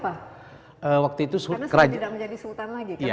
karena sudah tidak menjadi sultan lagi kan